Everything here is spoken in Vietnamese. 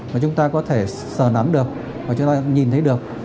mà chúng ta có thể sờ nắm được và chúng ta nhìn thấy được